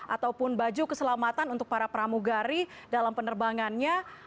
ataupun baju keselamatan untuk para pramugari dalam penerbangannya